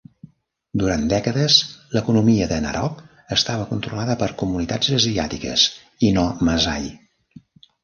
Durant dècades, l'economia de Narok estava controlada per comunitats asiàtiques i no Maasai.